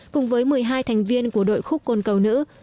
cùng với một mươi hai thành viên của đội khúc côn cầu nữ